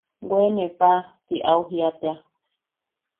–Weene paa– ti au jia tea.